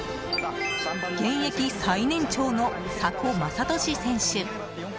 現役最年長の佐古雅俊選手。